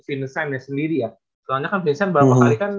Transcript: vincent sendiri ya soalnya kan vincent